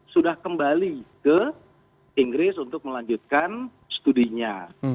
sudah kembali ke inggris untuk melanjutkan studinya